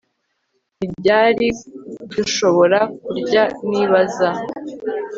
Ni ryari dushobora kurya nibaza